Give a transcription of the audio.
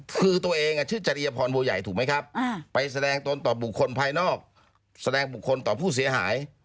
คือตัวเองชื่อจริยพรบัวใหญ่ถูกไหมครับไปแสดงตนต่อบุคคลภายนอกแสดงบุคคลต่อผู้เสียหาย